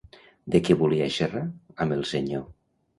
De què volia xerrar amb el senyor?